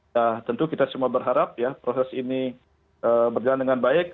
nah tentu kita semua berharap ya proses ini berjalan dengan baik